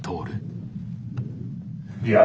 いや。